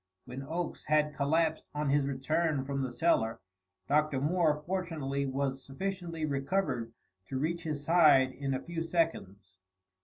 When Oakes had collapsed on his return from the cellar Dr. Moore fortunately was sufficiently recovered to reach his side in a few seconds.